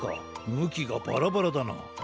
むきがバラバラだな。